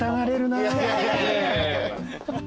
いやいやいやいや。